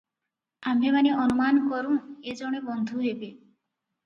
ଆମ୍ଭେମାନେ ଅନୁମାନ କରୁଁ ଏ ଜଣେ ବନ୍ଧୁ ହେବେ ।